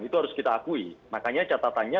itu harus kita akui makanya catatannya